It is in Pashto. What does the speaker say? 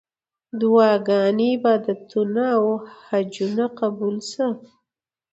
دعاګانې، عبادتونه او حجونه قبول سه.